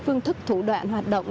phương thức thủ đoạn hoạt động